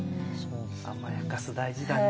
甘やかす大事だね。